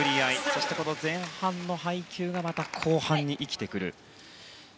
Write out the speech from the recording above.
そして、前半の配球が後半に生きてくる。